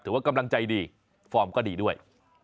ว่ากำลังใจดีฟอร์มก็ดีด้วย